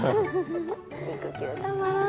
肉球たまらん。